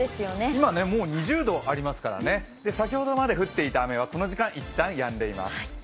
今、もう２０度ありますからね先ほどまで降っていた雨、この時間いったんやんでいます。